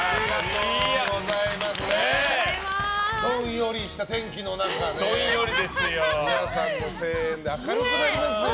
どんよりした天気の中ね皆さんの声援で明るくなりますよ。